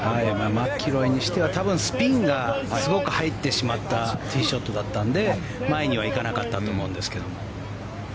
マキロイにしては多分、スピンがすごく入ってしまったティーショットだったんで前には行かなかったと思うんですけども。